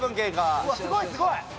すごい！